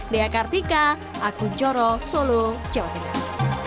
di akartika aku joroh solo jawa tengah